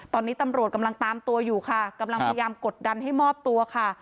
ตอนนี้ตำรวจกำลังตามตัวอยู่ค่ะกำลังพยายามกดดันให้มอบตัวค่ะ